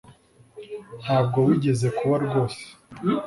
ntabwo wigeze kuba rwose.